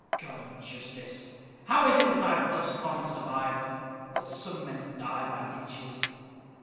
God of Justice! how is it that I have thus long survived? But some men die by inches.